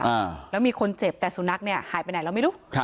อ่าแล้วมีคนเจ็บแต่สุนัขเนี่ยหายไปไหนเราไม่รู้ครับ